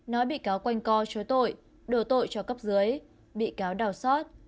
nói bị cáo quanh co chối tội đổ tội cho cấp dưới bị cáo đào sót